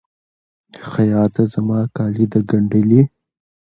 خیاطه! زما کالي د ګنډلي؟